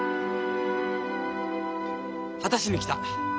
果たしに来た。